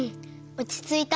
おちついた。